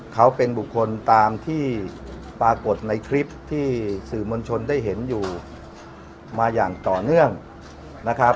เขาเป็นบุคคลตามที่ปรากฏในคลิปที่สื่อมวลชนได้เห็นอยู่มาอย่างต่อเนื่องนะครับ